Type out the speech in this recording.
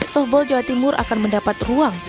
softball jawa timur akan mendapatkan